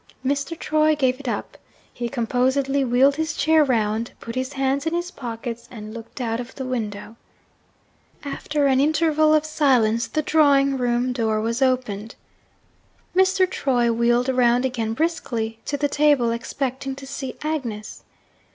Mr. Troy gave it up. He composedly wheeled his chair around, put his hands in his pockets, and looked out of window. After an interval of silence, the drawing room door was opened. Mr. Troy wheeled round again briskly to the table, expecting to see Agnes.